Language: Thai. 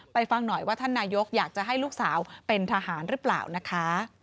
ฟังหน่อยว่าท่านนายกอยากจะให้ลูกสาวเป็นทหารหรือเปล่านะคะ